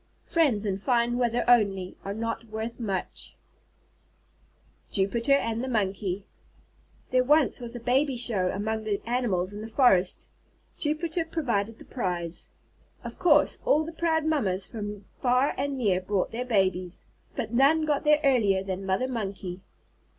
Friends in fine weather only, are not worth much. JUPITER AND THE MONKEY There was once a baby show among the Animals in the forest. Jupiter provided the prize. Of course all the proud mammas from far and near brought their babies. But none got there earlier than Mother Monkey.